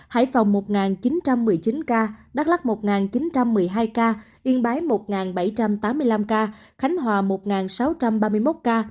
hải phòng một chín trăm một mươi chín ca đắk lắc một chín trăm một mươi hai ca yên bái một bảy trăm tám mươi năm ca khánh hòa một sáu trăm ba mươi một ca